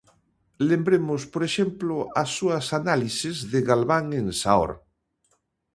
Lembremos, por exemplo, as súas análises de Galván en Saor.